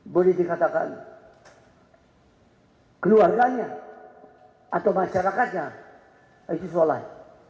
boleh dikatakan keluarganya atau masyarakatnya itu sholat